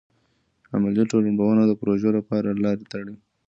عملي ټولنپوهنه د پروژو لپاره لارې لټوي.